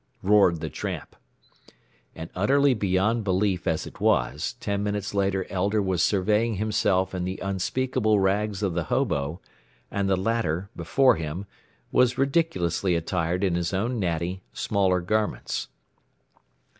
_" roared the tramp. And utterly beyond belief as it was, ten minutes later Elder was surveying himself in the unspeakable rags of the hobo, and the latter, before him, was ridiculously attired in his own natty, smaller garments.